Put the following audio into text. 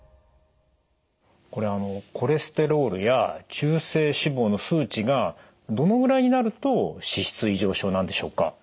これあのコレステロールや中性脂肪の数値がどのぐらいになると脂質異常症なんでしょうか？